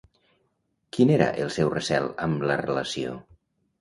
Quin era el seu recel amb la relació?